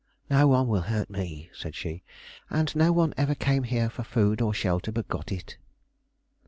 "No one will hurt me," said she; "and no one ever came here for food or shelter but got it."